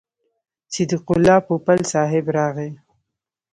صدیق الله پوپل صاحب راغی.